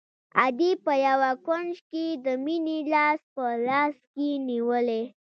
ادې په يوه کونج کښې د مينې لاس په لاس کښې نيولى.